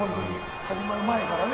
始まる前からね。